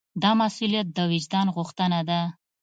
دا مسوولیت د وجدان غوښتنه ده.